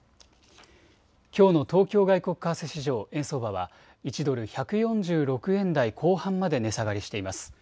きょうの東京外国為替市場、円相場は１ドル１４６円台後半まで値下がりしています。